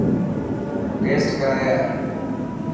ٽيسٽ ڪرائي آءِ.